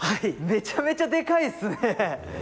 めちゃめちゃでかいですね！